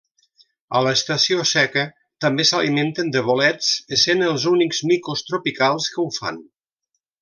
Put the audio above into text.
A l'estació seca també s'alimenten de bolets, essent els únics micos tropicals que ho fan.